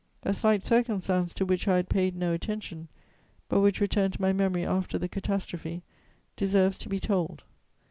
A slight circumstance to which I had paid no attention, but which returned to my memory after the catastrophe, deserves to be told.